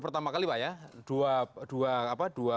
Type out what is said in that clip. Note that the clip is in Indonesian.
pertama kali pak ya